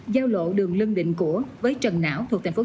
giao lộ đường lưng định của với trần não thuộc tp thủ đức